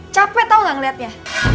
capek tau gak ngeliatnya